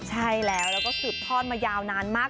ใช่แล้วแล้วก็สืบทอดมายาวนานมาก